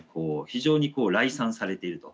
非常に礼賛されていると。